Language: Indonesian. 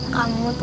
kamu gak sengaja